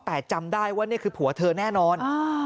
แต่จำได้ว่านี่คือผัวเธอแน่นอน